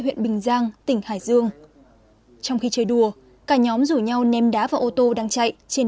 huyện bình giang tỉnh hải dương trong khi chơi đùa cả nhóm rủ nhau ném đá vào ô tô đang chạy trên